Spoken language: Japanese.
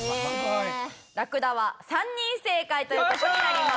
ラクダは３人正解という事になります。